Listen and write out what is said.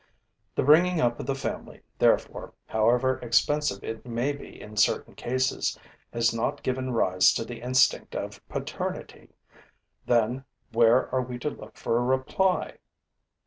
The bringing up of the family, therefore, however expensive it may be in certain cases, has not given rise to the instinct of paternity. Then where are we to look for a reply?